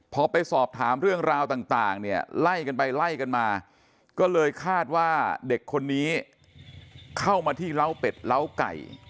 พอไปสอบถามเรื่องราวต่างเนี่ยไล่กันไปไล่กันมาก็เลยคาดว่าเด็กคนนี้เข้ามาที่เล้าเป็ดล้าไก่